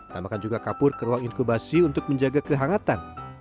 tambahkan juga kapur ke ruang inkubasi untuk menjaga kehangatan